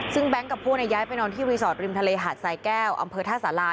ซึ่งแบงค์กับพวกย้ายไปนอนที่รีสอร์ทริมทะเลหาดสายแก้วอำเภอท่าสารา